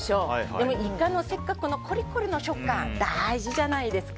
でもイカのせっかくのコリコリの食感大事じゃないですか。